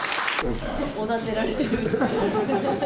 おだてられてる。